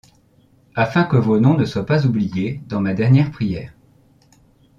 afin que vos noms ne soient pas oubliés dans ma dernière prière ?